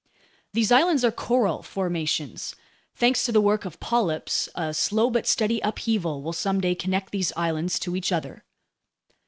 These islands are coral formations. Thanks to the work of polyps, a slow but steady upheaval will someday connect these islands to each other.